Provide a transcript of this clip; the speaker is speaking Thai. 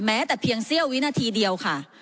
แม้แต่เพียงเสี้ยววินาทีเดียวค่ะ